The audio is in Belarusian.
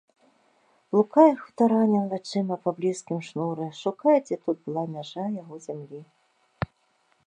Блукае хутаранін вачыма па блізкім шнуры, шукае, дзе тут была мяжа яго зямлі.